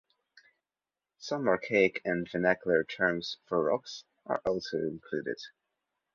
Some archaic and vernacular terms for rocks are also included.